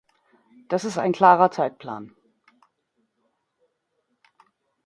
Das ist ein klarer Zeitplan.